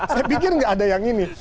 saya pikir nggak ada yang ini